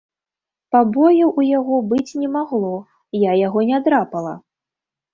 Пабояў у яго быць не магло, я яго не драпала.